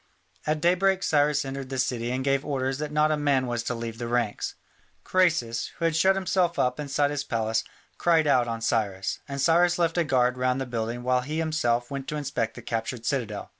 At daybreak Cyrus entered the city and gave orders that not a man was to leave the ranks. Croesus, who had shut himself up inside his palace, cried out on Cyrus, and Cyrus left a guard round the building while he himself went to inspect the captured citadel.